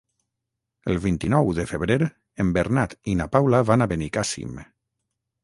El vint-i-nou de febrer en Bernat i na Paula van a Benicàssim.